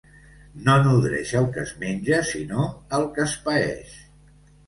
No nodreix el que es menja, sinó el que es paeix.